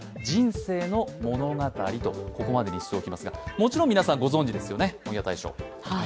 もちろん皆さんご存じですよね、本屋大賞。